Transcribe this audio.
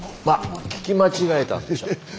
まあ聞き間違えたんでしょう。